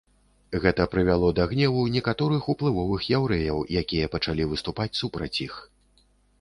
Гэта прывяло да гневу некаторых уплывовых яўрэяў, якія пачалі выступаць супраць іх.